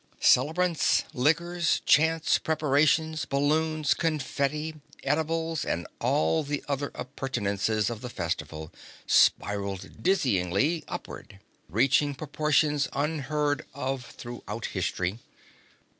Celebrants, liquors, chants, preparations, balloons, confetti, edibles and all the other appurtenances of the festival spiraled dizzyingly upward, reaching proportions unheard of throughout history.